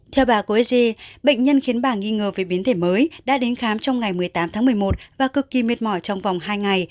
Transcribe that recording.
theo bà cô esg bệnh nhân khiến bà nghi ngờ về biến thể mới đã đến khám trong ngày một mươi tám tháng một mươi một và cực kỳ mệt mỏi trong vòng hai ngày